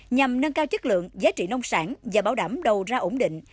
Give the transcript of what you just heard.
nhằm nâng cao chất lượng giá trị nông sản và bảo đảm đầu ra ổn định